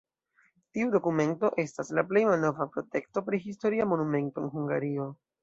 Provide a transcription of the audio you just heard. Tiu dokumento estas la plej malnova protekto pri historia monumento en Hungario.